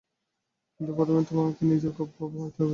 কিন্তু প্রথমেই তোমাকে নিজের প্রভু হইতে হইবে।